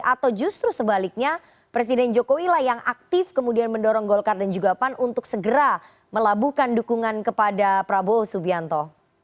atau justru sebaliknya presiden jokowi lah yang aktif kemudian mendorong golkar dan juga pan untuk segera melabuhkan dukungan kepada prabowo subianto